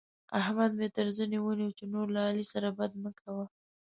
احمد مې تر زنه ونيو چې نور له علي سره بد مه کوه.